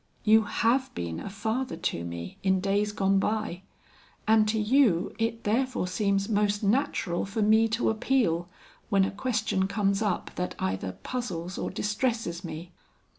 You have been a father to me in days gone by, and to you it therefore seems most natural for me to appeal when a question comes up that either puzzles or distresses me.